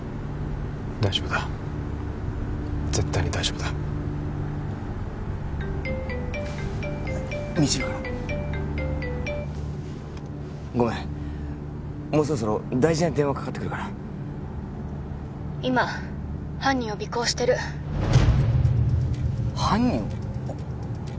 大丈夫だ絶対に大丈夫だ未知留からごめんもうそろそろ大事な電話かかってくるから☎今犯人を尾行してる犯人を？